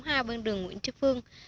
hai bên đường nguyễn tri phương